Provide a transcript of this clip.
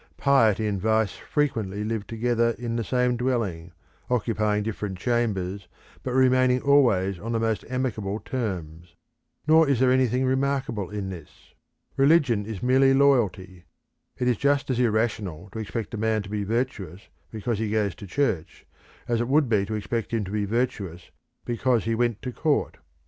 Piety and vice frequently live together in the same dwelling, occupying different chambers, but remaining always on the most amicable terms. Nor is there anything remarkable in this. Religion is merely loyalty: it is just as irrational to expect a man to be virtuous because he goes to church, as it would be to expect him to be virtuous because he went to court.